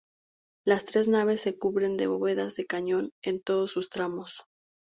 Las tres naves se cubren de bóvedas de cañón en todos sus tramos.